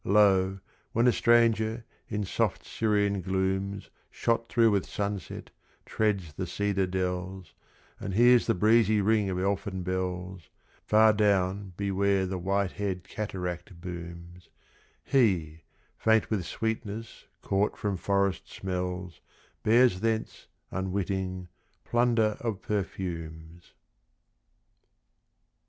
Lo, when a stranger in soft Syrian glooms Shot through with sunset, treads the cedar dells, And hears the breezy ring of elfin bells Far down be where the white haired cataract booms, He, faint with sweetness caught from forest smells, Bears thence, unwitting, plunder of perfumes.